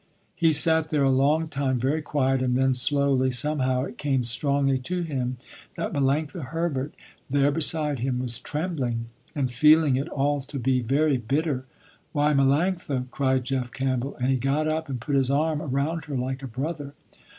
He sat there a long time, very quiet, and then slowly, somehow, it came strongly to him that Melanctha Herbert, there beside him, was trembling and feeling it all to be very bitter. "Why, Melanctha," cried Jeff Campbell, and he got up and put his arm around her like a brother.